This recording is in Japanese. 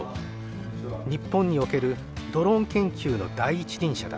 日本におけるドローン研究の第一人者だ。